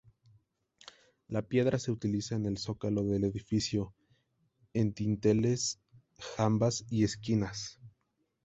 La piedra se utiliza en el zócalo del edificio, en dinteles, jambas y esquinas.